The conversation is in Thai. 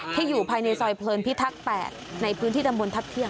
ที่อยู่ภายในซอยเพลินพิทักษ์๘ในพื้นที่ตำบลทัพเที่ยง